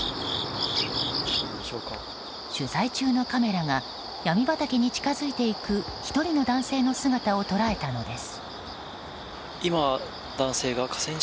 取材中のカメラがヤミ畑に近づいていく１人の男性の姿を捉えたのです。